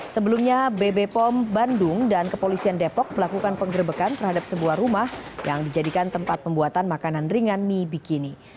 sebelumnya bb pom bandung dan kepolisian depok melakukan penggerbekan terhadap sebuah rumah yang dijadikan tempat pembuatan makanan ringan mie bikini